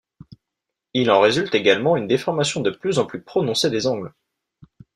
Il en résulte également une déformation de plus en plus prononcée des angles.